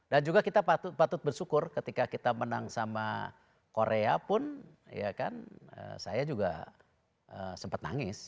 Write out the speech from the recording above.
dan juga kita patut bersyukur ketika kita menang sama korea pun ya kan saya juga sempat nangis